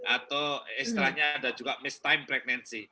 atau istilahnya ada juga miss time pregnancy